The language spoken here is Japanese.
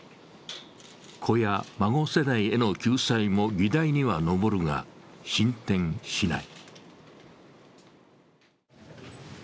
子や孫世代への救済も議題には上るが進展しない。